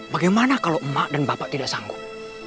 bagaimana kalau emak dan bapak tidak sanggup